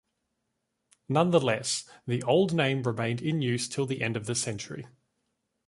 Nonetheless, the old name remained in use till the end of the century.